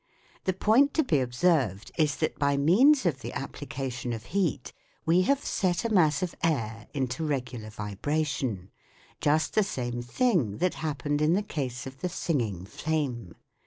The point to be ob served is that by means of the application of heat we have set a mass of air into regular vibration : just the same thing that happened in the case of the singing flame.